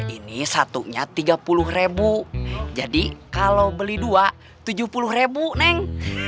ini satunya tiga puluh ribu jadi kalau beli dua tujuh puluh ribu neng